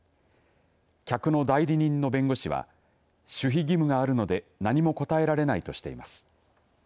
客の代理人の弁護士は守秘義務があるので何も答えられないとしています。